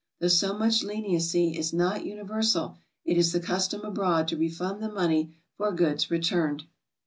Though so much leniency is not universal, it is the custom abroad to refund the money for goods returned.